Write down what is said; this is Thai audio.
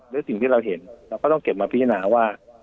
ด้วยสิ่งที่เราเห็นต้องเก็บมาพิจารณาว่า